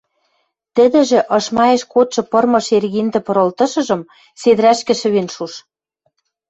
Тӹдӹжӹ ышмаэш кодшы пырмы шергиндӹ пырылтышыжым седӹрӓшкӹ шӹвен шуш.